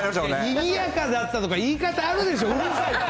にぎやかになってたとか、言い方あるでしょ、うるさいって。